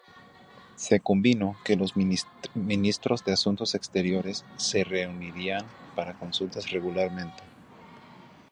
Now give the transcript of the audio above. Se convino que los ministros de Asuntos Exteriores se reunirían para consultas regularmente.